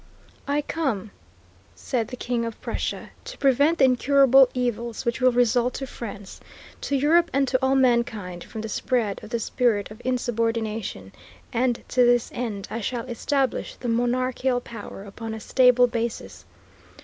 I come, said the King of Prussia, to prevent the incurable evils which will result to France, to Europe and to all mankind from the spread of the spirit of insubordination, and to this end I shall establish the monarchical power upon a stable basis.